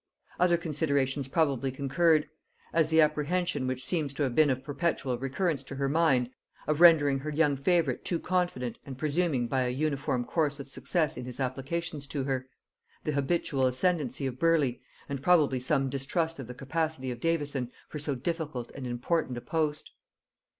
Other considerations probably concurred; as, the apprehension which seems to have been of perpetual recurrence to her mind, of rendering her young favorite too confident and presuming by an uniform course of success in his applications to her; the habitual ascendency of Burleigh; and, probably, some distrust of the capacity of Davison for so difficult and important a post.